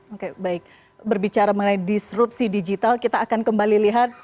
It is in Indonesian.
oke baik berbicara mengenai disrupsi digital kita akan kembali lihat